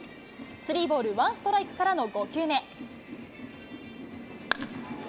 スリーボールワンストライクからの５球目。